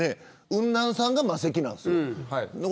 ウンナンさんがマセキなんですよ。